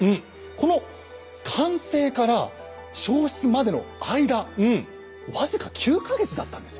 この完成から消失までの間僅か９か月だったんですよ。